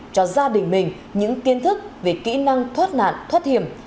cho gia đình mình những kiến thức về kỹ năng thoát nạn thoát hiểm